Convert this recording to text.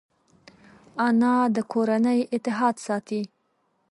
انا د کورنۍ اتحاد ساتي